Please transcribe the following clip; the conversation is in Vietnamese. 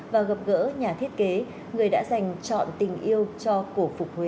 và gặp gỡ nhà thiết kế người đã dành chọn tình yêu cho cổ phục huế